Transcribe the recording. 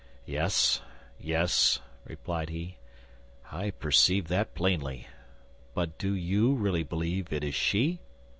"Yes, yes," replied he, "I perceive that plainly; but do you really believe it is she?"